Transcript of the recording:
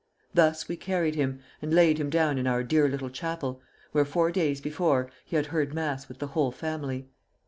Thus we carried him, and laid him down in our dear little chapel, where four days before he had heard mass with the whole family."